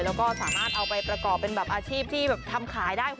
แล้วก็สามารถเอาไปประกอบเป็นแบบอาชีพที่แบบทำขายได้